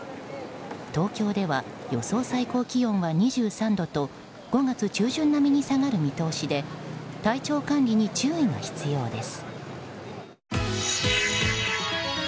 東京では予想最高気温は２３度と５月中旬並みに下がる見通しで体調管理に注意が必要です。